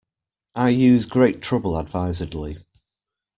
I use great trouble advisedly.